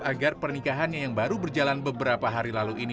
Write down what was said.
agar pernikahannya yang baru berjalan beberapa hari lalu ini